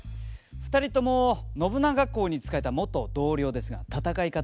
２人とも信長公に仕えた元同僚ですが戦い方は真逆です。